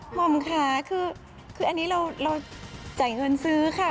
ห่อมค่ะคืออันนี้เราจ่ายเงินซื้อค่ะ